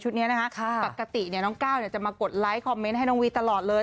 นี้นะคะปกติน้องก้าวจะมากดไลค์คอมเมนต์ให้น้องวีตลอดเลย